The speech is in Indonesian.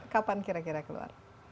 kapan kira kira keluar